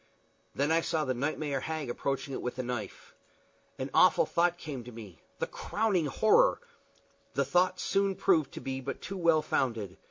Then I saw the nightmare hag approach it with a knife. An awful thought came to me the crowning horror! The thought soon proved to be but too well founded.